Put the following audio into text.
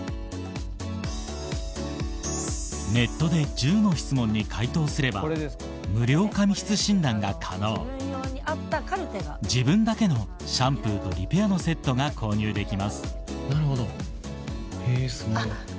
ネットで１０の質問に回答すれば無料髪質診断が可能自分だけのシャンプーとリペアのセットが購入できますあっ！